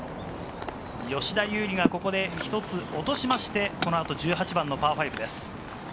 吉田優利がここで１つ落としまして、この後、１８番のパー５です。